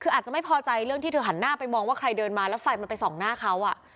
คืออาจจะไม่พอใจเรื่องที่เธอหันหน้าไปมองว่าใครเดินมาแล้วไฟมันไปส่องหน้าเขา